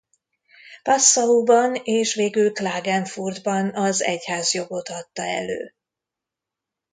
Passauban és végül Klagenfurtban az egyházjogot adta elő.